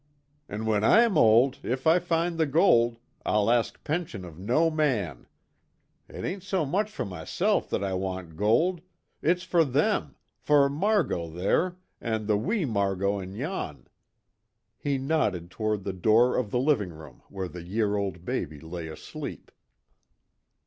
"An' when I'm old, if I find the gold, I'll ask pension of no man. It ain't so much for myself that I want gold it's for them for Margot, there, an' the wee Margot in yon." He nodded toward the door of the living room where the year old baby lay asleep.